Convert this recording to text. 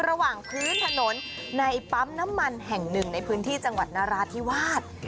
ระหว่างพื้นถนนในปั๊มน้ำมันแห่งหนึ่งในพื้นที่จังหวัดนราธิวาส